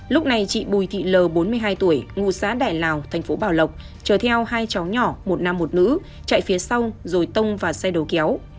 lúc này chị bùi thị l bốn mươi hai tuổi ngụ xã đại lào thành phố bảo lộc chở theo hai cháu nhỏ một nam một nữ chạy phía sau rồi tông vào xe đồ kéo